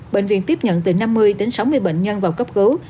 bệnh viện tiếp nhận từ năm mươi đến sáu mươi bệnh nhân vào cấp cứu